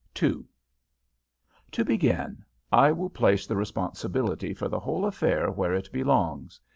II To begin, I will place the responsibility for the whole affair where it belongs.